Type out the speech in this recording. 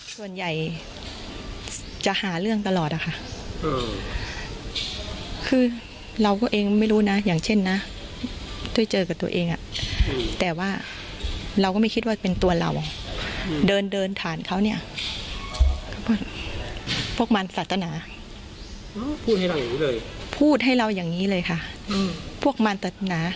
ส่วนใหญ่จะหาเรื่องตลอดอะค่ะคือเราเองไม่รู้นะอยากเช่นน่ะต้วยเจอกับตัวเองอ่ะแต่ว่าเราก็ไม่คิดว่าเป็นตัวเราเดินเดินถ่านเขาเนี่ยพวกมันสัตตานะพูดให้เราอย่างงี้เลยค่ะพวกมันตุด